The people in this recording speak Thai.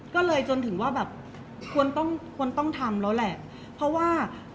เพราะว่าสิ่งเหล่านี้มันเป็นสิ่งที่ไม่มีพยาน